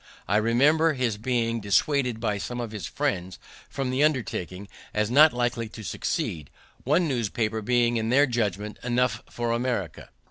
I remember his being dissuaded by some of his friends from the undertaking, as not likely to succeed, one newspaper being, in their judgment, enough for America.